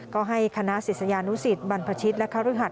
ก็ให้คณะศิษยานุศิษย์บรรพชิตและข้ารุหัส